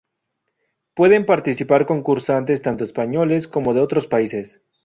Pueden participar concursantes tanto españoles como de otros países.